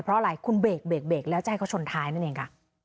เพราะอะไรคุณเบรกแล้วใจเขาชนท้ายนั่นเอง